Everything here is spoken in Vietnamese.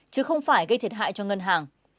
chứ không phải gây thiệt hại cho ngân hàng